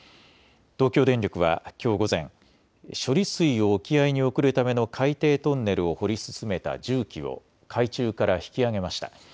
東京電力はきょう午前、処理水を沖合に送るための海底トンネルを掘り進めた重機を海中から引き揚げました。